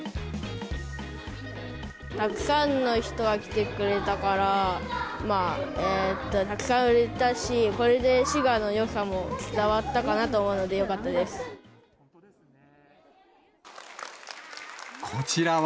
たくさんの人が来てくれたから、たくさん売れたし、これで四賀のよさも伝わったかなと思うのこちらは、